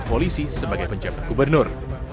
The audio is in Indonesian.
polisi sebagai penjaga gubernur